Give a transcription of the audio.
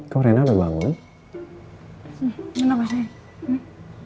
kok rena udah bangun